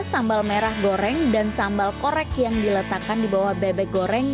sambal merah goreng dan sambal korek yang diletakkan di bawah bebek goreng